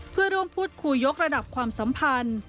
เพื่อร่วมพูดคุยยกระดับความสัมพันธ์